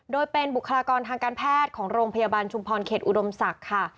โดยเป็นบุคลากรทางการแพทย์ของโรงพยาบาลชุมพรเขตอุดมศักดิ์ค่ะ